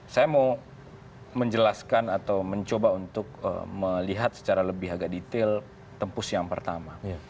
saya mau menjelaskan atau mencoba untuk melihat secara lebih agak detail tempus yang pertama